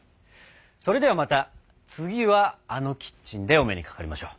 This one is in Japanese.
それではまた次はあのキッチンでお目にかかりましょう。